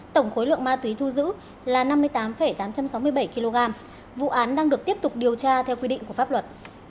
tổng khối lượng ma túy thu giữ là năm mươi tám tám trăm sáu mươi bảy kg vụ án đang được tiếp tục điều tra theo quy định của pháp luật